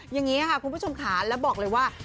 อย่างนี้ค่ะคุณผู้ชมค่ะแล้วบอกเลยว่า